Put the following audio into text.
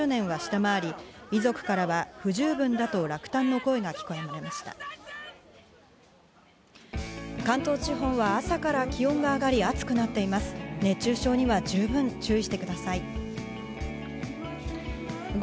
熱中症には十分注意してください。